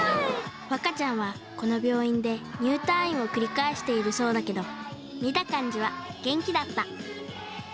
わかちゃんはこの病院で入退院を繰り返しているそうだけど見た感じは元気だった。